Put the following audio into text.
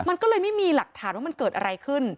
มันก็เลยไม่มีหลักฐานว่ามันเกิดอะไรขึ้น